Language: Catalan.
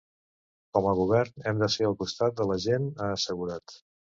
“Com a govern hem de ser al costat de la gent”, ha assegurat.